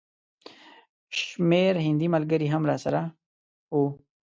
شمېر هندي ملګري هم راسره وو.